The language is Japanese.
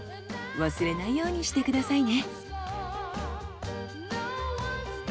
忘れないようにしてくださいね。